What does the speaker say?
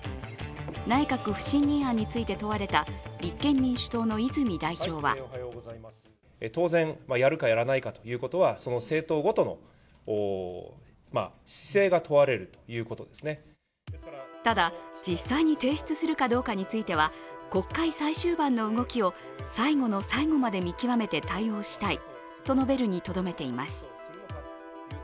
内閣不信任案について問われた立憲民主党の泉代表はただ、実際に提出するかどうかについては国会最終盤の動きを最後の最後まで見極めて対応したいと述べるにとどめています。